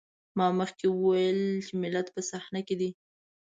ما مخکې وويل چې ملت په صحنه کې دی.